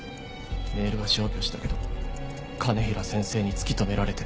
メールは消去したけど兼平先生に突き止められて。